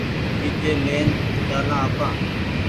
چيجي لين چآلآن آپان